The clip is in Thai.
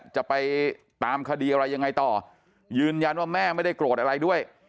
จะไปตามคดีอะไรยังไงต่อยืนยันว่าแม่ไม่ได้โกรธอะไรด้วย